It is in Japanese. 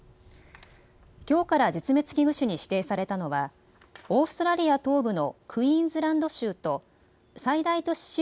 きょうから絶滅危惧種に指定されたのはオーストラリア東部のクイーンズランド州と最大都市